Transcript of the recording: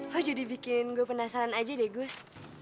lo jadi bikin gue penasaran aja deh gus